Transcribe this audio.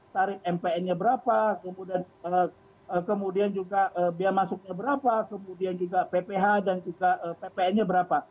tarif mpn nya berapa kemudian juga biaya masuknya berapa kemudian juga pph dan juga ppn nya berapa